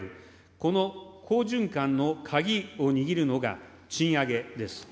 この好循環の鍵を握るのが賃上げです。